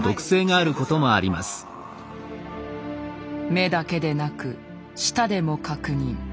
目だけでなく舌でも確認。